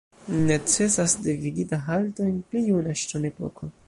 Necesas devigita halto en pli juna ŝtonepoko.